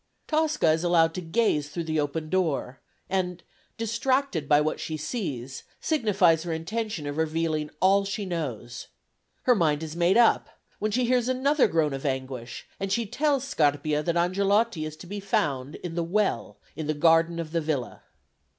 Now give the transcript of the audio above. Tosca is allowed to gaze through the open door, and, distracted by what she sees, signifies her intention of revealing all she knows. Her mind is made up when she hears another groan of anguish, and she tells Scarpia that Angelotti is to be found in the well in the garden of the villa.